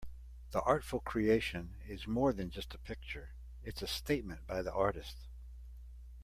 This artful creation is more than just a picture, it's a statement by the artist.